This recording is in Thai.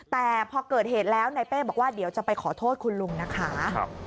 แต่พอเกิดเหตุแล้วในเป้บอกว่าเดี๋ยวจะไปขอโทษคุณลุงนะคะ